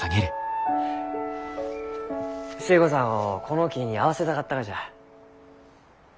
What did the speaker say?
寿恵子さんをこの木に会わせたかったがじゃ。